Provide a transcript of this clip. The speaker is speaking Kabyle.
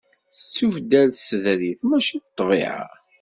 Tettubeddal tsedrit mačči d ṭṭbiɛa.